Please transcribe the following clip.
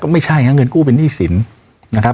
ไม่ใช่ฮะเงินกู้เป็นหนี้สินนะครับ